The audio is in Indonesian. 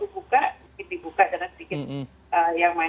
kalo buka dibuka dengan sedikit yang manis